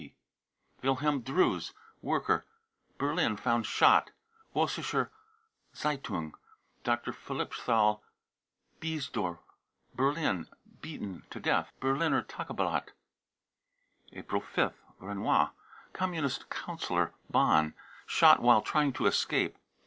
1 (WTB.) wilhelm drews, worker, Berlin, found shot. (Vossiscke Z e ^ un S') dr. philippsthal, Biesdorf, Berlin, beaten to death. (Berliner Tageblatt .) April 5th. renois, Communist councillor, Bonn, shot "while trying to escape."